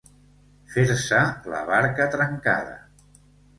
Fer-se la barca trencada.